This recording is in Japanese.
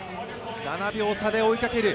７秒差で追いかける